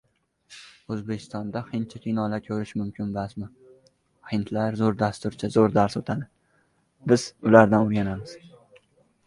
O‘zbekistonda "hindcha shtamm" aniqlangani rostmi? Otabekov javob berdi